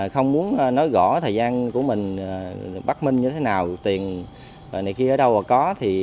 không muốn nói gõ thời gian của mình bắt minh như thế nào tiền này kia ở đâu mà có